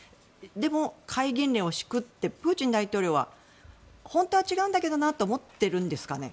でも、戒厳令を敷くってプーチン大統領は本当は違うんだけどなと思っているんですかね。